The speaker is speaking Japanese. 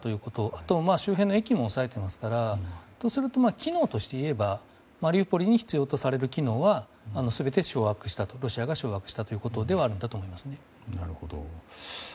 あと周辺の駅も抑えていますからとすると機能として言えばマリウポリに必要とされる機能は全てロシアが掌握したということではあると思います。